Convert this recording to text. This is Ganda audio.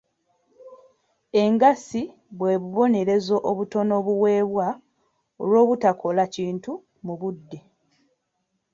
Engassi bwe bubonerezo obutono obuweebwa olw'obutakola kintu mu budde.